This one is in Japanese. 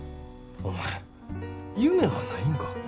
お前夢はないんか？